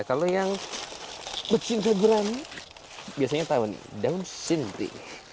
kalau yang bercinta gurami biasanya tau nih daun sentai